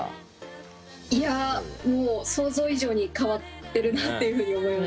いやもう想像以上に変わってるなっていうふうに思いました。